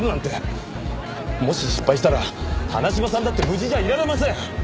もし失敗したら花島さんだって無事じゃいられません！